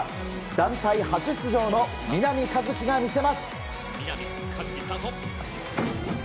団体初出場の南一輝が見せます。